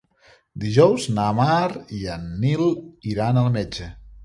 Dijous na Mar i en Nil iran al metge.